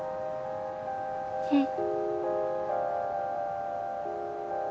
うん。